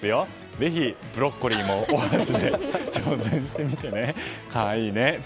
ぜひ、ブロッコリーもお箸で挑戦してみてね。